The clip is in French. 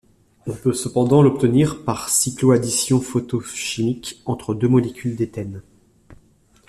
On peut cependant l'obtenir par cycloaddition photochimique entre deux molécules d'éthène.